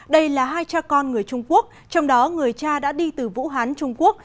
đây là hai cha con người trung quốc trong đó người cha đã đi từ vũ hán trung quốc